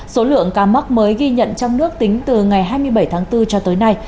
số lượng ca mắc mới ghi nhận trong nước tính từ ngày hai mươi bảy tháng bốn cho tới nay